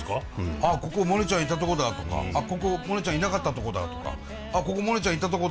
ああここモネちゃんいたとこだとかここモネちゃんいなかったとこだとか。